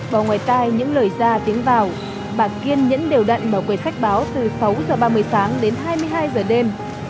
và ngoài tai những lời ra tiếng vào bà kiên nhẫn đều đặn mở quầy sách báo từ sáu h ba mươi sáng đến hai mươi hai giờ đêm